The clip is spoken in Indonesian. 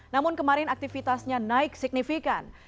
namun kemarin aktivitasnya naik signifikan